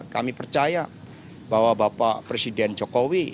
kami percaya bahwa bapak presiden jokowi